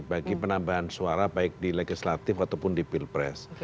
bagi penambahan suara baik di legislatif ataupun di pilpres